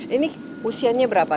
ini usianya berapa